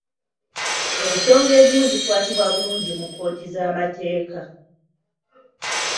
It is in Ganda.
Ensonga ezimu zikwatibwa bulungi mu kkooti z'amateeka.